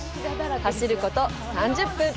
走ること３０分。